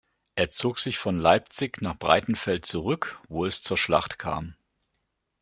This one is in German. Er zog sich von Leipzig nach Breitenfeld zurück, wo es zur Schlacht kam.